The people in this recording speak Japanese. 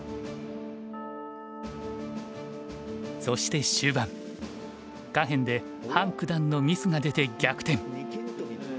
そして終盤下辺で范九段のミスが出て逆転。